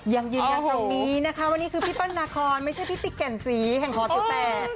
ยังยืนอย่างทั้งนี้นะคะว่านี่คือพี่ป้อนนครไม่ใช่พี่ติ๊กแก่นซีแห่งหัวตัวแตด